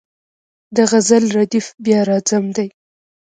د غزل ردیف بیا راځم دی.